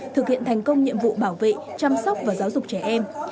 thực hiện thành công nhiệm vụ bảo vệ chăm sóc và giáo dục trẻ em